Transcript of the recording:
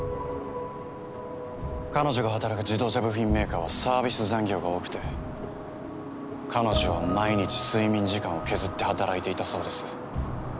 彼女が働く自動車部品メーカーはサービス残業が多くて彼女は毎日睡眠時間を削って働いていたそうです。